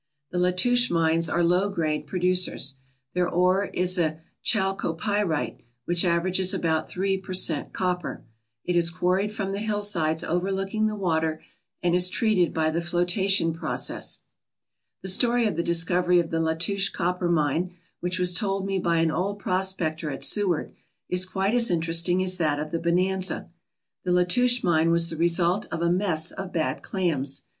The Latouche mines are low grade producers. Their ore is a chalcopyrite which averages about three per cent copper. It is quarried from the hillsides overlooking the water, and is treated by the flotation process. The story of the discovery of the Latouche copper mine, which was told me by an old prospector at Seward, is quite as interesting as that of the Bonanza. The La touche mine was the result of a mess of bad clams.